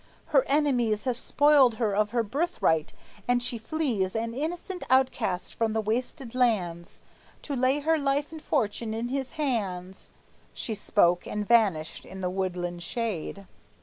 Her enemies Have spoiled her of her birthright, and she flees An innocent outcast from her wasted lands, To lay her life and fortune in his hands." She spoke, and vanished in the woodland shade.